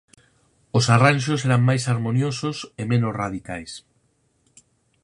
Os arranxos eran máis harmoniosos e menos radicais.